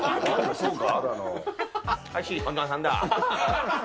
そうか？